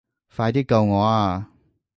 快啲救我啊